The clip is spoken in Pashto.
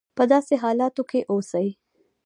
په داسې حالاتو کې اوسي.